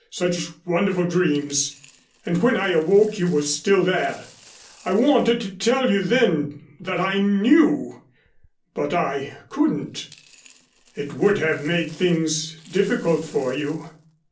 Such wonderful dreams! And when I awoke you were still there. I wanted to tell you then that I knew but I couldn't. It would have made things difficult for you.